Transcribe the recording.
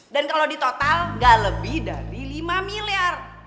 dan kalau di total gak lebih dari lima miliar